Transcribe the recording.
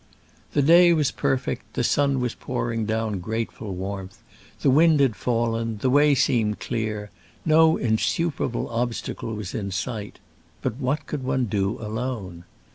The day was perfect, the sun was pouring down grateluTwarmth, the wind had fallen, the way seemed clear, no in superable obstacle was in sight; but what could one do alone